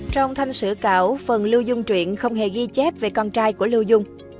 trong thanh sử cảo phần lưu dung truyện không hề ghi chép về con trai của lưu dung